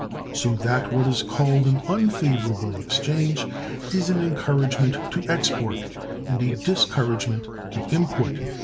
So that what is called an unfavorable exchange is an encouragement to export, and a discouragement to import.